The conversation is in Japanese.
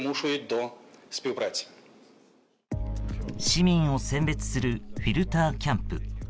市民を選別するフィルターキャンプ。